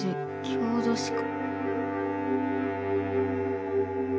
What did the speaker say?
郷土史家」。